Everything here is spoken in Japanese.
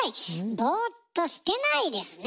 ボーっとしてないですね。